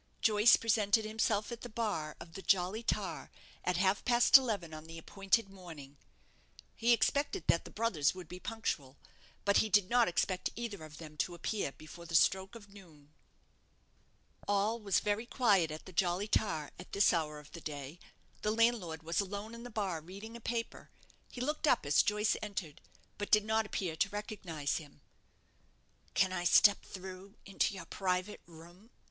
Joyce presented himself at the bar of the 'Jolly Tar' at half past eleven on the appointed morning. He expected that the brothers would be punctual; but he did not expect either of them to appear before the stroke of noon. All was very quiet at the 'Jolly Tar' at this hour of the day. The landlord was alone in the bar, reading a paper. He looked up as Joyce entered; but did not appear to recognize him. "Can I step through into your private room?"